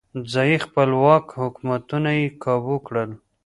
ځايي خپلواک حکومتونه یې کابو کړل.